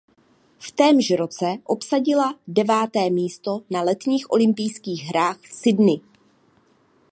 V témž roce obsadila deváté místo na letních olympijských hrách v Sydney.